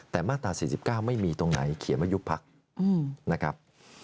แต่มาตรา๔๙ไม่มีตรงไหนเขียนว่ายุบพักนะครับ